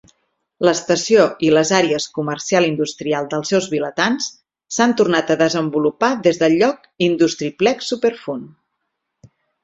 L'estació i les àrees comercial-industrial dels seus vilatans, s'han tornat a desenvolupar des del lloc Industri-Plex Superfund.